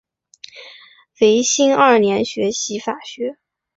维新二年学习法学。